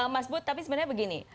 mas bud tapi sebenarnya begini